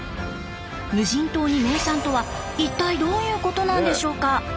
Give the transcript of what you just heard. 無人島に名産とは一体どういうことなんでしょうか？